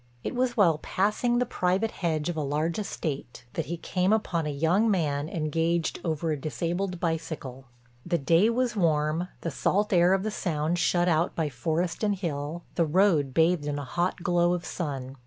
It was while passing the private hedge of a large estate, that he came upon a young man engaged over a disabled bicycle. The day was warm, the salt air of the Sound shut out by forest and hill, the road bathed in a hot glow of sun.